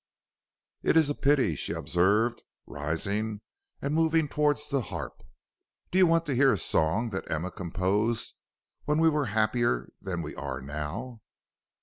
"It is a pity," she observed, rising and moving towards the harp. "Do you want to hear a song that Emma composed when we were happier than we are now?"